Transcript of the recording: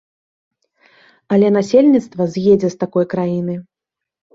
Але насельніцтва з'едзе з такой краіны.